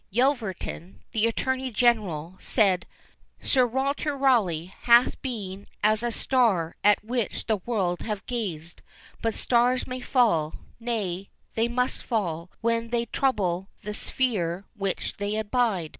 Yelverton, the attorney general, said "Sir Walter Rawleigh hath been as a star at which the world have gazed; but stars may fall, nay, they must fall, when they trouble the sphere where they abide."